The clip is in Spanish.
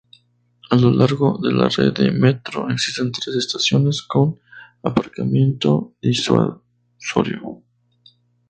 A lo largo de la red de Metro existen tres estaciones con aparcamiento disuasorio.